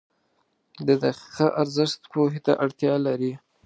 • د دقیقه ارزښت پوهې ته اړتیا لري.